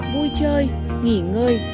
vui chơi nghỉ ngơi